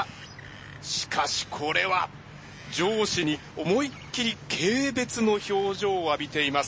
しかしこれは上司に思いっ切り軽蔑の表情を浴びています。